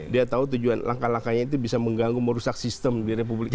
dia tahu tujuan langkah langkahnya itu bisa mengganggu merusak sistem di republik ini